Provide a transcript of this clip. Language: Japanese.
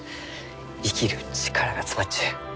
生きる力が詰まっちゅう。